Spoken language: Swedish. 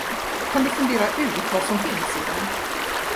Kan du fundera ut vad som finns i den?